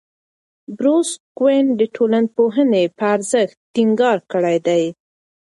بروس کوئن د ټولنپوهنې په ارزښت ټینګار کړی دی.